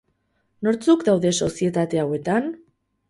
Nortzuk daude sozietate hauetan?